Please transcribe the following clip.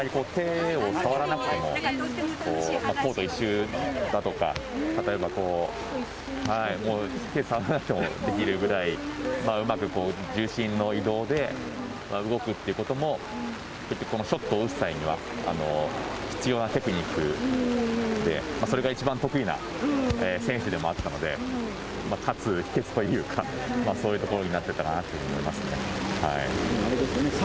あまり手を使わなくてもコート１周だとか、例えばこう、手で触らなくてもできるぐらい、うまく重心の移動で動くということも、ショットを打つ際には、必要なテクニックで、それが一番得意な選手でもあったので、勝つ秘けつというか、そういうところになってたかなと思いますね。